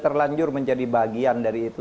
terlanjur menjadi bagian dari itu